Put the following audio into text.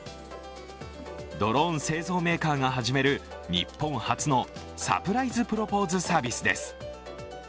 ドローン製造メーカーが始める日本初のサプライズプロポーズサービスです。